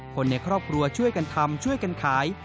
คนในครอบครัวช่วยกันทำช่วยกันขาย